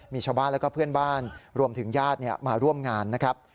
มีชาวบ้านแล้วก็เพื่อนบ้านรวมถึงญาติมาร่วมงานนะครับ